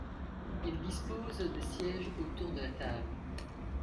Ils disposent des sièges autour de la table.